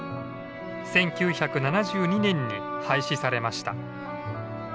１９７２年に廃止されました。